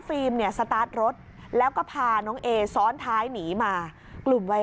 เนี่ยสตาร์ทรถแล้วก็พาน้องเอซ้อนท้ายหนีมากลุ่มวัย